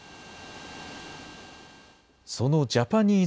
そのジャパニーズ